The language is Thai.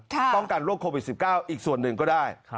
ป้องกันโรคโควิด๑๙อีกส่วนหนึ่งก็ได้